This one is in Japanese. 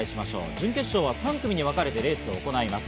準決勝は３組にわかれてレースを行います。